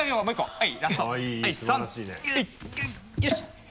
はい。